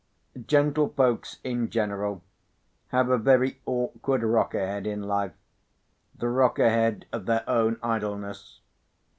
Gentlefolks in general have a very awkward rock ahead in life—the rock ahead of their own idleness.